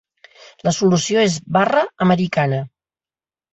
La solució és "barra americana".